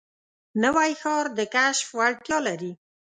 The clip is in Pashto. نوی ښار د کشف وړتیا لري